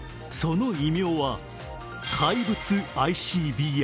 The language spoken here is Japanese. その異名は怪物ＩＣＢＭ。